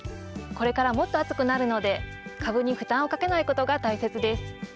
これからもっと暑くなるので株に負担をかけない事が大切です。